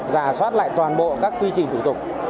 giả soát lại toàn bộ các quy trình thủ tục